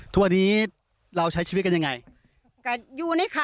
ทุกวันนี้เราใช้ชีวิตกันยังไง